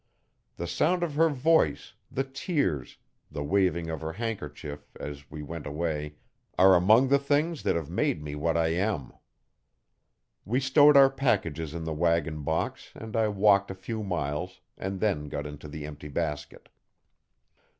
The sound of her voice, the tears, the waving of her handkerchief, as we went away, are among the things that have made me what I am. We stowed our packages in the wagon box and I walked a few miles and then got into the empty basket.